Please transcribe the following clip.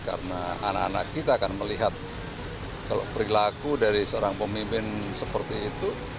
karena anak anak kita akan melihat kalau perilaku dari seorang pemimpin seperti itu